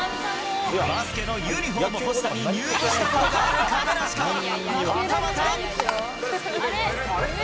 バスケのユニホーム欲しさに、入部したことがある亀梨か、はたまた。